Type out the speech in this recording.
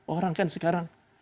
orang kan sekarang